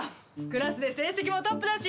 クラスで成績もトップだし